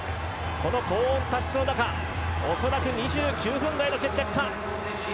高温多湿の中恐らく２９分台の決着か。